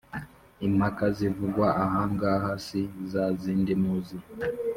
Impaka zivugwa aha ngaha si za zindi muzi